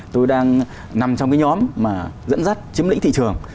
tôi đang nằm trong cái nhóm mà dẫn dắt chiếm lĩnh thị trường